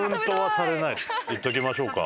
行っときましょうか。